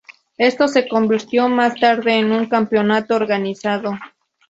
Esto se convirtió más tarde en un campeonato organizado.